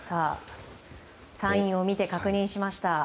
サインを見て確認しました。